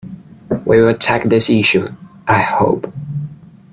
We will tackle this issue, I hope.